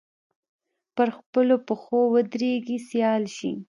پر خپلو پښو ودرېږي سیال شي